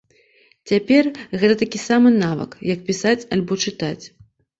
Цяпер гэта такі самы навык, як пісаць альбо чытаць.